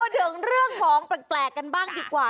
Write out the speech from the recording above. ถึงเรื่องของแปลกกันบ้างดีกว่า